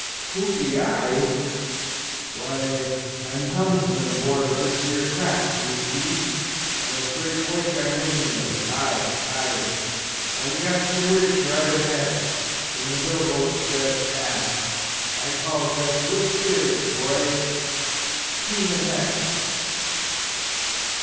"Who be I? why, I'm helmsman aboard of this here craft d'ye see, and a straight wake I'm making of it. Ay, ay! I've got the bridge right ahead, and the bilboes dead aft: I calls that good steerage, boy. Heave ahead."